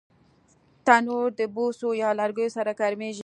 تنور د بوسو یا لرګیو سره ګرمېږي